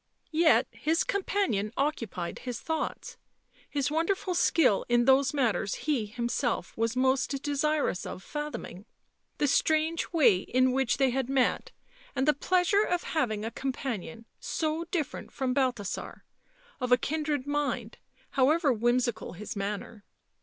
Yet his companion occupied his thoughts ; his wonderful skill in those matters he himself was most desirous of fathoming, the strange way in which they had met, and the pleasure of having a companion — so different from Balthasar — of a kindred mind, however whimsical his manner.